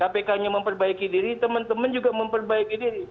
kpknya memperbaiki diri teman teman juga memperbaiki diri